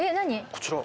こちら。